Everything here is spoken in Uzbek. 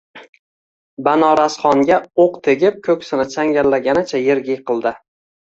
Banorasxonga o’q tegib, ko’ksini changallaganicha yerga yiqildi.